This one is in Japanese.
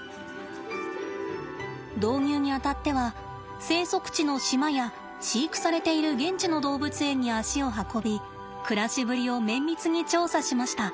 導入にあたっては生息地の島や飼育されている現地の動物園に足を運び暮らしぶりを綿密に調査しました。